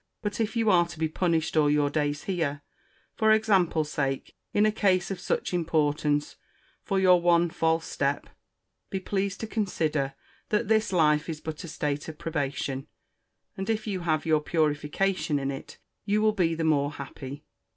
—But if you are to be punished all your days here, for example sake, in a case of such importance, for your one false step, be pleased to consider, that this life is but a state of probation; and if you have your purification in it, you will be the more happy.